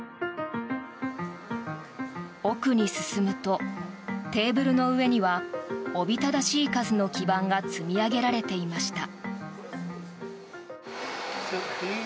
奥に進むと、テーブルの上にはおびただしい数の基板が積み上げられていました。